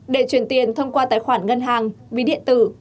để truyền tiền thông qua tài khoản ngân hàng ví điện tử